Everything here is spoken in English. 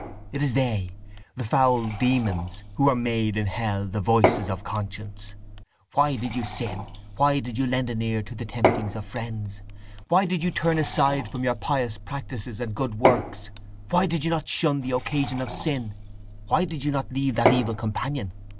It is they, the foul demons, who are made in hell the voices of conscience. Why did you sin? Why did you lend an ear to the temptings of friends? Why did you turn aside from your pious practices and good works? Why did you not shun the occasions of sin? Why did you not leave that evil companion?